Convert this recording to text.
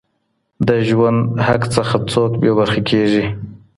د ژوند حق څخه څوک بې برخې کیږي؟